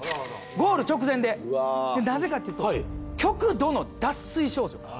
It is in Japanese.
ゴール直前でなぜかというと極度の脱水症状。